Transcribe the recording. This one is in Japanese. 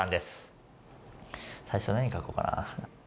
最初何書こうかな。